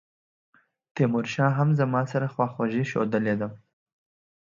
تیمورشاه هم زما سره خواخوږي ښودلې ده.